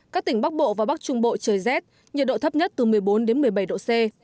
các tỉnh bắc bộ và bắc trung bộ trời rét nhiệt độ thấp nhất từ một mươi bốn đến một mươi bảy độ c